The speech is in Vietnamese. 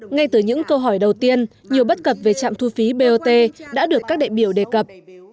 ngay từ những câu hỏi đầu tiên nhiều bất cập về trạm thu phí bot đã được các đại biểu đề cập